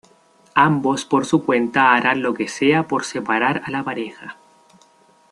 Ambos por su cuenta harán lo que sea por separar a la pareja.